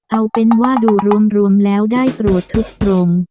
เอาเป็นว่าดูรวมแล้วได้ตรวจทุกตรง